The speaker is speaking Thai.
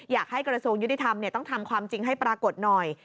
อยากให้กระทรวงยุติธรรมต้องทำความจริงให้ปรากฏหน่อย